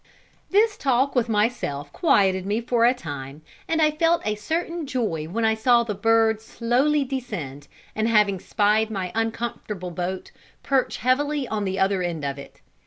This talk with myself quieted me for a time, and I felt a certain joy when I saw the bird slowly descend, and having spied my uncomfortable boat, perch heavily on the other end of it.